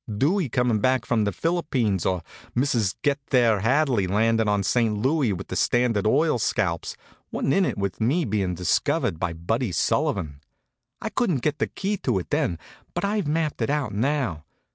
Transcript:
Dewey comin' back from the Philippines, or Mr. Get There Hadley landin' in St. Louis with the Standard Oil scalps, wa'n't in it with me bein' discovered by Buddy Sullivan. I couldn't get the key to it then, but I've mapped it out now.